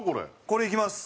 これいきます。